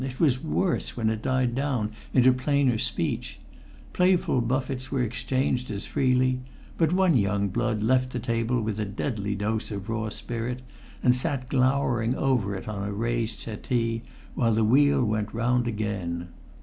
It was worse when it died down into plainer speech; playful buffets were exchanged as freely; but one young blood left the table with a deadly dose of raw spirit, and sat glowering over it on a raised settee while the wheel went round again.